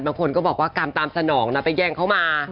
บางคนก็บอกว่ากรรมตามสนองนะไปแย่งเขามา